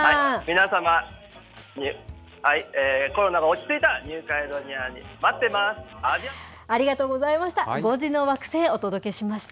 皆様、コロナが落ち着いたらニューカレドニアで待ってます。